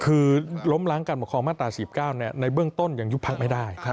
คือล้มล้างการปกครองมาตรา๔๙ในเบื้องต้นยังยุบพักไม่ได้